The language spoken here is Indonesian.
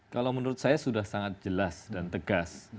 kalau menurut saya sudah sangat jelas dan tegas